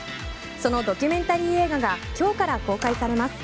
そのドキュメンタリー映画が今日から公開されます。